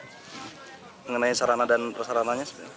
mengenai sarana dan prasarana